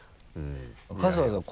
春日さん